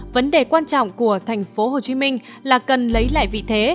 vấn đề quan trọng của thành phố hồ chí minh là cần lấy lại vị thế